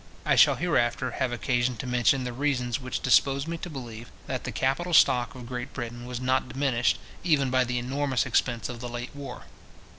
I shall hereafter have occasion to mention the reasons which dispose me to believe that the capital stock of Great Britain was not diminished, even by the enormous expense of the late war.